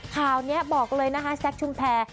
ข่าวนี้บอกเลยนะคะแซคชุมแพร